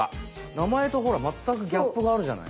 なまえとほらまったくギャップがあるじゃない。